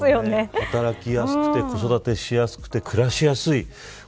働きやすくて子育てしやすくて暮らしやすい。